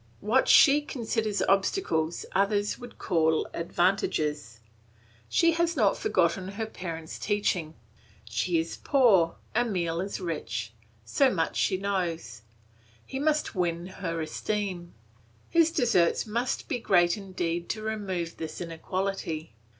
What she considers obstacles, others would call advantages. She has not forgotten her parents' teaching. She is poor; Emile is rich; so much she knows. He must win her esteem; his deserts must be great indeed to remove this inequality.